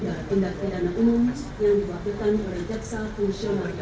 yang disaksikan oleh tersangka